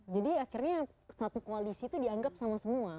jadi akhirnya satu koalisi itu dianggap sama semua